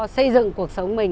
xây dựng cuộc sống mình